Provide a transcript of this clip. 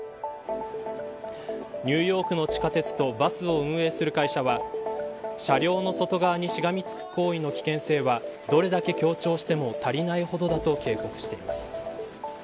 ニューヨークの地下鉄とバスを運営する会社は車両の外側にしがみつく行為の危険性はどれだけ強調しても足りないほどだと警告しています。